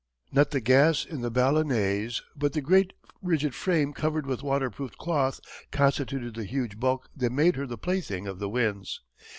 Not the gas in the ballonets, but the great rigid frame covered with water proofed cloth constituted the huge bulk that made her the plaything of the winds.